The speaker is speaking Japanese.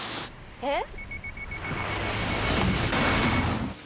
えっ？